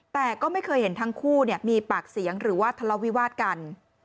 แต่ก็ไม่เคยเห็นทั้งคู่มีปากเสียงหรือว่าทะเลาวิวาสกัน